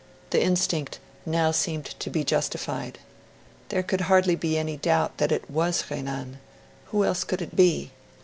The instinct now seemed to be justified. There could hardly be any doubt that it WAS Renan; who else could it be?